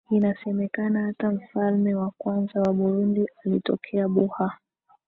Inasemekana hata mfalme wa kwanza wa burundi alitokea buha